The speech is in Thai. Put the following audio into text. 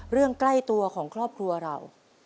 ใกล้ตัวของครอบครัวเรา